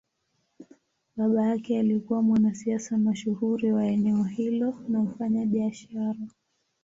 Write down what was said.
Baba yake alikuwa mwanasiasa mashuhuri wa eneo hilo na mfanyabiashara.